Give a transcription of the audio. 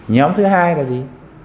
nhóm thứ hai là gì